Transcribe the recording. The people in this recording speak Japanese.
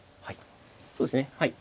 はいそうですね。